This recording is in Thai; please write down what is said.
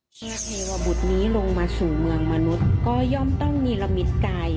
เทวบุตรนี้ลงมาสู่เมืองมนุษย์ก็ย่อมต้องนิรมิตกาย